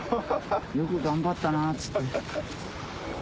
「よく頑張ったな」っつって。